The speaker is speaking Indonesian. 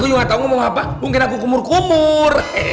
aku juga nggak tau ngomong apa mungkin aku komur komur